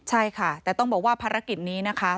ใช่ค่ะแต่ต้องบอกว่าภารกิจนี้นะคะ